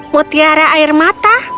mutiara air mata